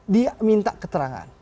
dia minta keterangan